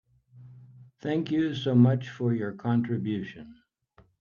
Thank you so much for your contribution.